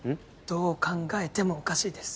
どう考えてもおかしいです。